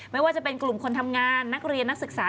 ไม่ว่าจะเป็นกลุ่มคนทำงานนักเรียนนักศึกษา